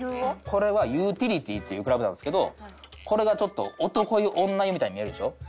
これはユーティリティーっていうクラブなんですけどこれがちょっと男湯女湯みたいに見えるでしょ？